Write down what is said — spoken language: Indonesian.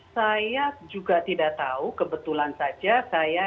saya juga tidak tahu kebetulan saja saya